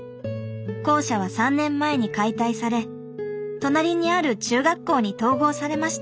校舎は３年前に解体され隣にある中学校に統合されました。